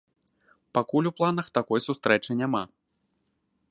Пакуль у планах такой сустрэчы няма.